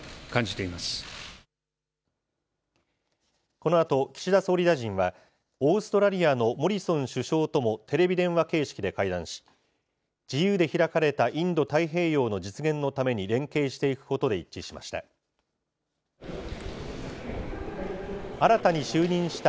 このあと岸田総理大臣は、オーストラリアのモリソン首相ともテレビ電話形式で会談し、自由で開かれたインド太平洋の実現のために連携していくことで一致しました。